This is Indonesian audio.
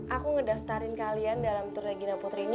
aku ngedaftarin kalian dalam tour regina putri ini